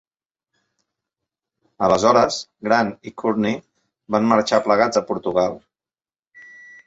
Aleshores, Grant i Courtney van marxar plegats a Portugal.